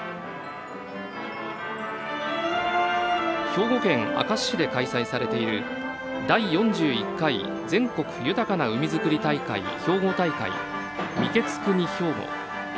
兵庫県明石市で開催されている「第４１回全国豊かな海づくり大会兵庫大会御食国ひょうご」。